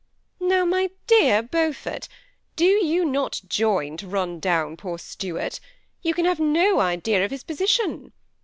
*'Now, my dear Beaufort, do not you join to run down poor Stuart ; you can have no idea of his posi tion.